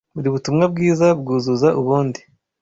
Buri Butumwa bwiza bwuzuza ubundi